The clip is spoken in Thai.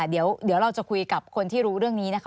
เดี๋ยวเราจะคุยกับคนที่รู้เรื่องนี้นะคะ